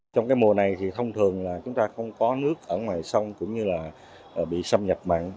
trong mùa này thông thường chúng ta không có nước ở ngoài sông cũng như bị xâm nhập mặn